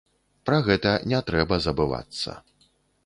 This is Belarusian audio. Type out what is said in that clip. Пра гэта не трэба забывацца.